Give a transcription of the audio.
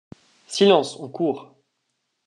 Silence, on court !